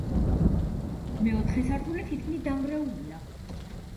მეოთხე სართული თითქმის დანგრეულია.